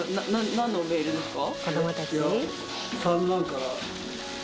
何のメールですか？